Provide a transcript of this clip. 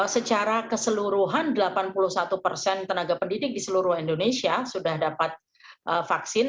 secara keseluruhan delapan puluh satu persen tenaga pendidik di seluruh indonesia sudah dapat vaksin